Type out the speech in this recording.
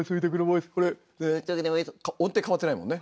音程変わってないもんね。